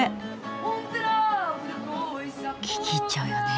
聞き入っちゃうよね。